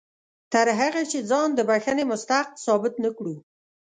تر هغه چې ځان د بښنې مستحق ثابت نه کړو.